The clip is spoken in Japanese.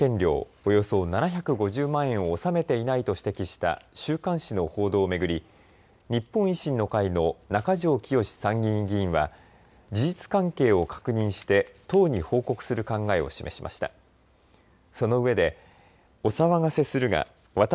およそ７５０万円を納めていないと指摘した週刊誌の報道を巡り日本維新の会の中条きよし参議院議員は事実関係を確認して党に報告する考えを示しました。